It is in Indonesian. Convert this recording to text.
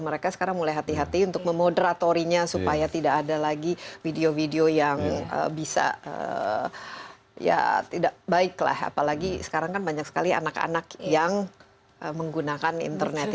mereka sekarang mulai hati hati untuk memoderatorinya supaya tidak ada lagi video video yang bisa ya tidak baik lah apalagi sekarang kan banyak sekali anak anak yang menggunakan internet